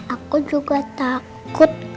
aku juga takut